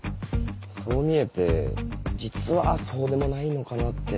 そう見えて実はそうでもないのかなって。